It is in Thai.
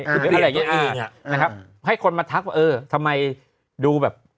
หรืออะไรอย่างเงี้ยอ่านะครับให้คนมาทักว่าเออทำไมดูแบบ